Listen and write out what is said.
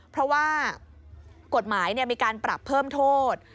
เพราะว่ากฎหมายมีการปรับเพิ่มโทษ